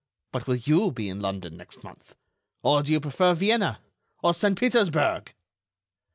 But will you be in London next month? Or do you prefer Vienna? Or Saint Petersburg?"